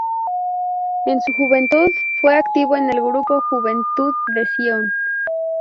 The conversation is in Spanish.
En su juventud, fue activo en el grupo "Juventud de Sion".